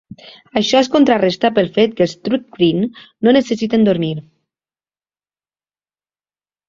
Això es contraresta pel fet que els thri-kreen no necessiten dormir.